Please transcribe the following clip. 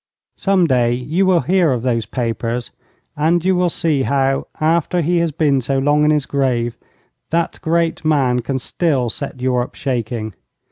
Some day you will hear of those papers, and you will see how, after he has been so long in his grave, that great man can still set Europe shaking.